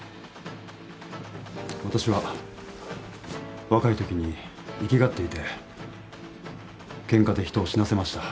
私は若いときに粋がっていてケンカで人を死なせました。